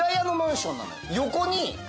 横に。